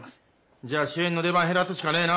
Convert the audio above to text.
じゃあ主演の出番減らすしかねえな。